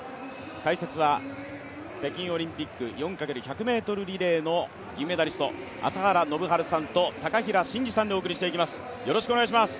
解説は北京オリンピック４×１００ｍリレーの銀メダリスト朝原宣治さんと高平慎士さんでお送りしていきます。